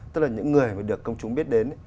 tức là những người mà được công chúng biết đến